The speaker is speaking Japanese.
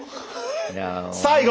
「最後！